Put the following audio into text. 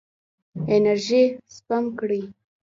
انرژي سپم کړئ.